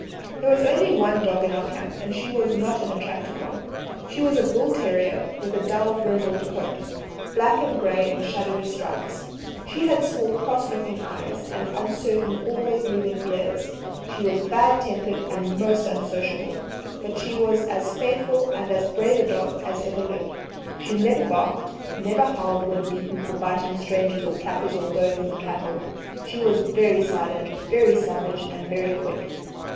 There was only the one dog in our camp; and she was not an attractive one. She was a bull terrier with a dull brindled coat black and grey in shadowy stripes. She had small cross looking eyes and uncertain always moving ears; she was bad tempered and most unsociable; but she was as faithful and as brave a dog as ever lived. She never barked; never howled when beaten for biting strangers or kaffirs or going for the cattle; she was very silent, very savage, and very quick.